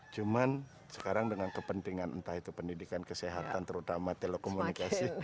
cuman sekarang dengan kepentingan entah itu pendidikan kesehatan terutama telekomunikasi